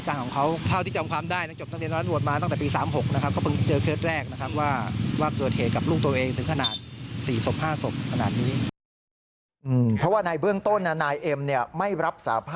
กรณีของเขานะครับ